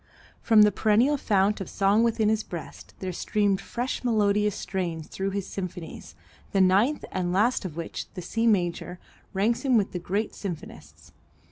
From the perennial fount of song within his breast there streamed fresh melodious strains through his symphonies, the ninth and last of which, the C major, ranks him with the great symphonists.